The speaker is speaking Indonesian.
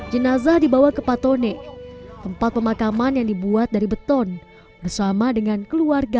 jenazah dibawa ke patone tempat pemakaman yang dibuat dari beton bersama dengan keluarga